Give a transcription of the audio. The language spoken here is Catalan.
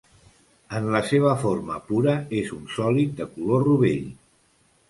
En la seva forma pura és un sòlid de color rovell.